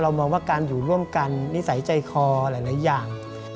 มองว่าการอยู่ร่วมกันนิสัยใจคอหลายอย่าง